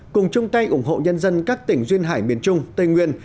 cùng chung tay ủng hộ nhân dân các tỉnh duyên hải miền trung tây nguyên